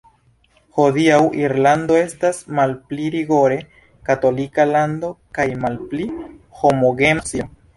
Hodiaŭ Irlando estas malpli rigore katolika lando kaj malpli homogena socio.